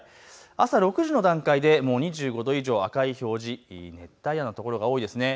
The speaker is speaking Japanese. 朝６時の段階で２５度以上、赤い表示、熱帯夜の所が多いですね。